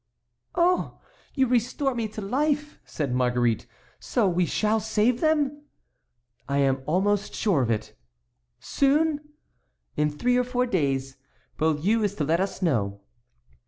"Oh! you restore me to life," said Marguerite. "So we shall save them?" "I am almost sure of it." "Soon?" "In three or four days. Beaulieu is to let us know."